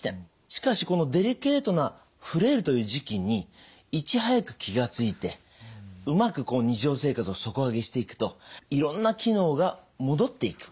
しかしこのデリケートなフレイルという時期にいち早く気が付いてうまく日常生活を底上げしていくといろんな機能が戻っていく。